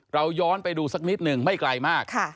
เราย้อนไปดูสักนิดหนึ่งไม่ไกลมาก